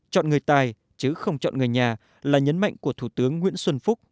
chọn người tài chứ không chọn người nhà là nhấn mạnh của thủ tướng nguyễn xuân phúc